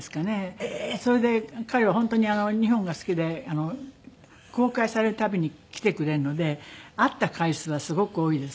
それで彼は本当に日本が好きで公開される度に来てくれるので会った回数はすごく多いです